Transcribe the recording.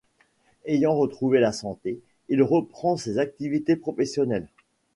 Ayant retrouvé la santé, il reprend ses activités professionnelles.